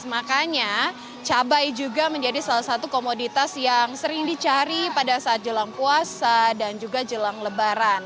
makanya cabai juga menjadi salah satu komoditas yang sering dicari pada saat jelang puasa dan juga jelang lebaran